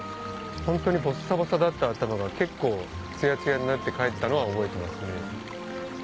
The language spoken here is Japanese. ホントにボッサボサだった頭が結構ツヤツヤになって帰ったのは覚えてますね。